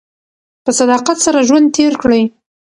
په صداقت سره ژوند تېر کړئ.